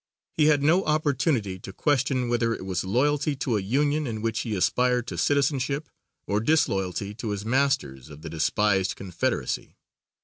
He had no opportunity to question whether it was loyalty to a union in which he aspired to citizenship, or disloyalty to his masters of the despised confederacy.